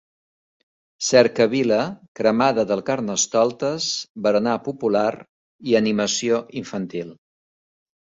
Cercavila, cremada del Carnestoltes, berenar popular i animació infantil.